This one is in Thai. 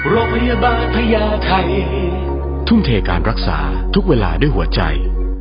โรงพยาบาลพญาไทยทุ่มเทการรักษาทุกเวลาด้วยหัวใจ